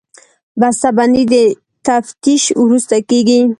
بسته بندي د تفتیش وروسته کېږي.